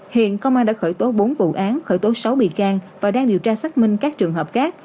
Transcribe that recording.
hiện công an đã khởi tố bốn vụ án khởi tố sáu bị can và đang điều tra xác minh các trường hợp khác